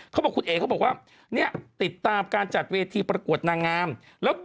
เขาบอกเก็บอกว่าเนี่ยติดตามการจัดเวทีประกวดนางามแล้วบีบ